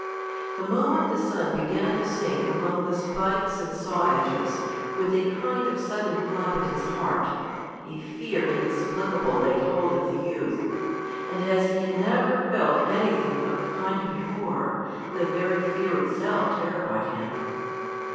The moment the sun began to sink among the spikes and saw edges, with a kind of sudden flap at his heart, a fear inexplicable laid hold of the youth; and as he had never felt anything of the kind before, the very fear itself terrified him.